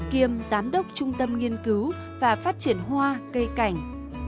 kiêm giám đốc trung tâm nghiên cứu và phát triển hoa cây cảnh